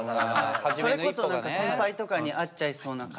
それこそ先輩とかに会っちゃいそうな。